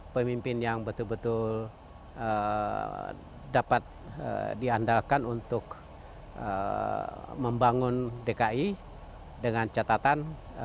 pemimpin yang betul betul dapat diandalkan untuk membangun dki dengan catatan